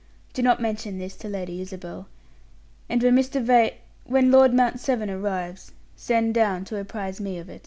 Do not mention this to Lady Isabel. And when Mr. Va when Lord Mount Severn arrives, send down to apprise me of it."